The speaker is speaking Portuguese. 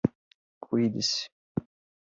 Cuide-se